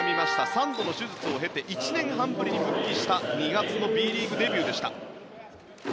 ３度の手術を経て１年半ぶりに復帰した２月のＢリーグデビューでした。